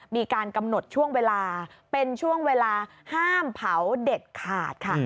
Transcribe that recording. มีการกำหนดช่วงเวลาเป็นช่วงเวลาห้ามเผาเด็ดขาดค่ะ